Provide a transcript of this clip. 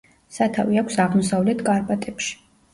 სათავე აქვს აღმოსავლეთ კარპატებში.